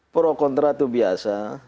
pro kontra itu biasa